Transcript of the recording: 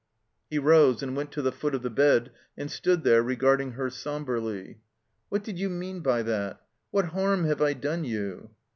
He rose and went to the foot of the bed and stood there, regarding her somberly. "What did you mean by that? What harm have I done you?"